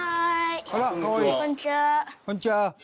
「こんにちは」